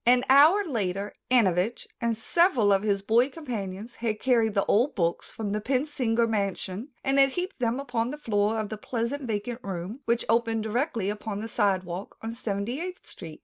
An hour later Antovich and several of his boy companions had carried the old books from the Pensinger mansion and had heaped them upon the floor of the pleasant vacant room, which opened directly upon the sidewalk on Seventy eighth Street.